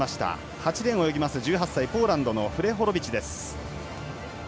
８レーンは１８歳、ポーランドのフレホロビチです。